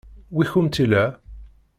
Wi kumt-illa?